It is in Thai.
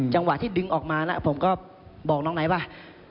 จังหวะที่ดึงออกมานะผมก็บอกน้องไนท์ว่า